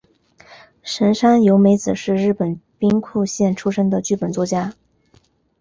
神山由美子是日本兵库县出身的剧本作家。